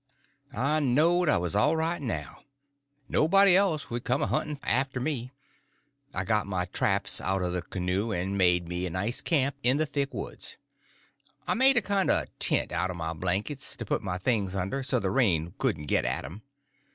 I knowed I was all right now. Nobody else would come a hunting after me. I got my traps out of the canoe and made me a nice camp in the thick woods. I made a kind of a tent out of my blankets to put my things under so the rain couldn't get at them.